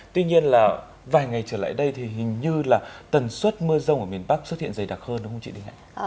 tuy nhiên là vài ngày trở lại đây thì hình như là tần suất mưa rông ở miền bắc xuất hiện dày đặc hơn đúng không chị đinh hạnh